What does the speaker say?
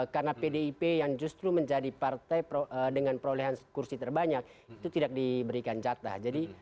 karena pdip yang justru menjadi partai dengan perolehan kursi terbanyak itu tidak diberikan jatah